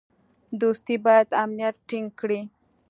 دوستي باید امنیت ټینګ کړي.